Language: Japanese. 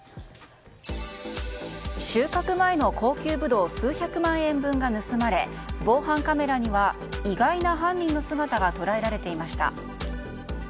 収穫前の高級ブドウ数百万円分が盗まれ防犯カメラには意外な犯人の姿が捉えられていました。